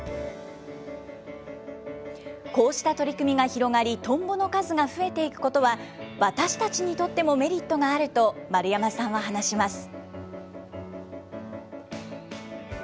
こうした取り組みが広がり、トンボの数が増えていくことは、私たちにとってもメリットがあると、丸山さんは話します。